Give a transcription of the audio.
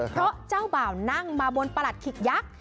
เพราะเจ้าบ่าวนั่งมาบนประหลัดขิกยักษ์